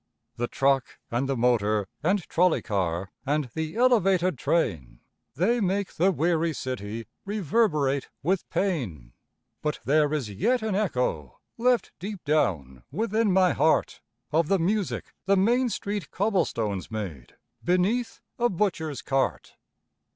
The truck and the motor and trolley car and the elevated train They make the weary city street reverberate with pain: But there is yet an echo left deep down within my heart Of the music the Main Street cobblestones made beneath a butcher's cart.